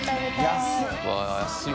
安い！